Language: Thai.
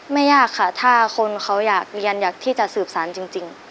ไม่ยากค่ะถ้าคนเขาอยากเรียนอยากที่จะสืบสารจริง